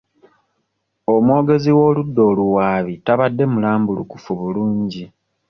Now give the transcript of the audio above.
Omwogezi w'oludda oluwaabi tabadde mulambulukufu bulungi.